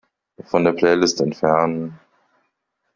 Von der Playlist entfernen.